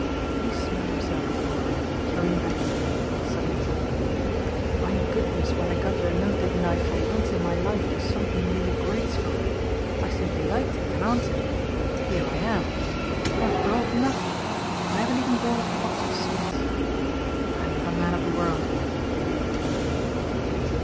He smote himself with horror, throwing back his head with a sudden thought. "Why in goodness when I got your note didn't I for once in my life do something really graceful? I simply liked it and answered it. Here I am. But I've brought nothing. I haven't even brought a box of sweets. I'm not a man of the world."